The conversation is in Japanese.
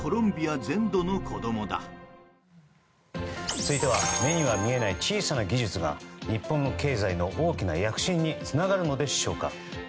続いては目には見えない小さな技術が日本の経済の大きな躍進につながるでしょうか。